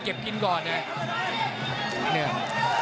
เก็บกินก่อนเนี่ย